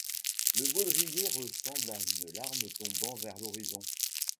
Le baudrier ressemble à une larme tombant vers l'horizon.